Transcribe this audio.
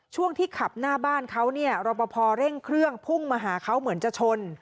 ช่วงที่ขับหน้าบ้านเขาเนี่ยรอปภเร่งเครื่องพุ่งมาหาเขาเหมือนจะชน